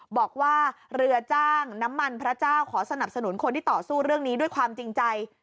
บอกว่าเรือจ้างน้ำมันพระเจ้าขอสนับสนุนคนที่ต่อสู้เรื่องนี้ด้วยความจริงใจ